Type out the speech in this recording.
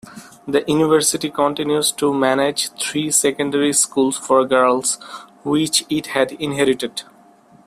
The university continues to manage three secondary schools for girls, which it had inherited.